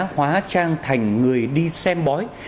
hóa trang thành người đi xem bói